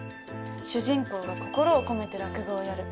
主人公が心を込めて落語をやる。